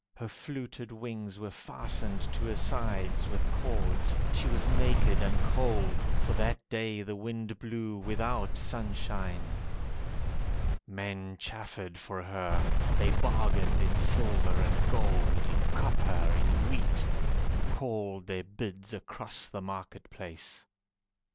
Her fluted wings were fastened to her sides with cords, She was naked and cold, For that day the wind blew Without sunshine. Men chaffered for her, They bargained in silver and gold, In copper, in wheat, And called their bids across the market place.